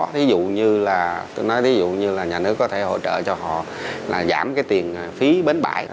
thí dụ như là nhà nước có thể hỗ trợ cho họ là giảm tiền phí bến bãi